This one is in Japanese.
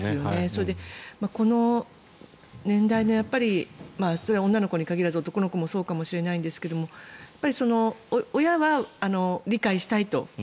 それで、この年代の女の子に限らず男の子もそうかもしれないですが親は理解したいと。